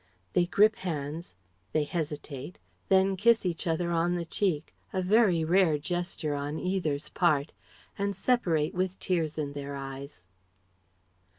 (They grip hands, they hesitate, then kiss each other on the cheek, a very rare gesture on either's part and separate with tears in their eyes.)